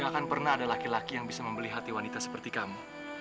tidak akan pernah ada laki laki yang bisa membeli hati wanita seperti kamu